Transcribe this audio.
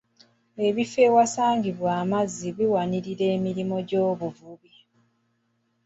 Ebifo ewasangibwa amazzi biwanirira emirimu ng'obuvubi.